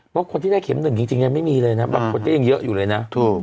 เพราะคนที่ได้เข็มหนึ่งจริงยังไม่มีเลยนะบางคนก็ยังเยอะอยู่เลยนะถูก